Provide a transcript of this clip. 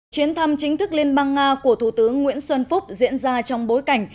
chuyến thăm chính thức liên bang nga của thủ tướng nguyễn xuân phúc diễn ra trong bối cảnh